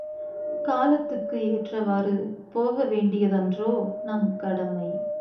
காலத்துக்கு ஏற்றவாறு போக வேண்டியதன்றோ நம் கடமை?